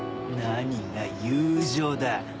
何が友情だ。